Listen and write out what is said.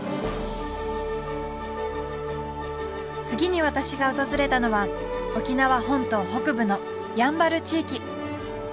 次に私が訪れたのは沖縄本島北部のやんばる地域。